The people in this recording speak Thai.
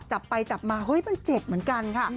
จับไปจับมาเจ็บเหมือนกันค่ะ